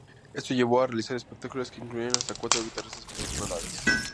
Esto llevó a realizar espectáculos que incluían hasta cuatro guitarristas tocando a la vez.